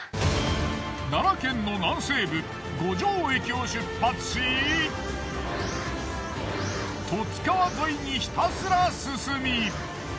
奈良県の南西部五条駅を出発し十津川沿いにひたすら進み